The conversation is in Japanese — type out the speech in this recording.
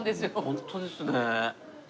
ホントですね。